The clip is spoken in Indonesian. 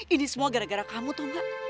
ini semua gara gara kamu tuh gak